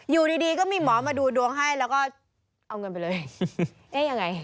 อยู่ดีดีก็มีหมอมาดูดวงให้แล้วก็เอาเงินไปเลยเอ๊ะยังไง